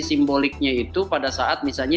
simboliknya itu pada saat misalnya